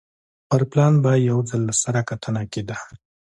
پر پلان به یو ځل له سره کتنه کېده